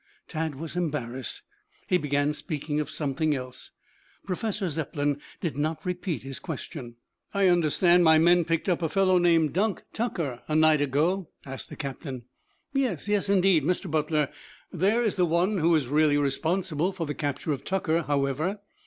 Tad was embarrassed. He began speaking of something else. Professor Zepplin did not repeat his question. "I understand my men picked up a fellow named Dunk Tucker a night ago?" asked the captain. "Yes, yes, indeed. Mr. Butler there is the one who is really responsible for the capture of Tucker, however."